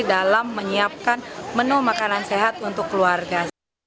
dalam menyiapkan menu makanan sehat untuk keluarga